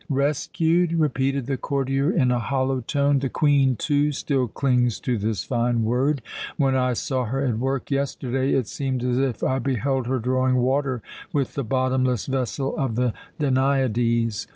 "Rescued?" repeated the courtier in a hollow tone. "The Queen, too, still clings to this fine word. When I saw her at work yesterday, it seemed as if I beheld her drawing water with the bottomless vessel of the Danaides.